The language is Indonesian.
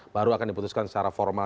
baru akan diputuskan secara formal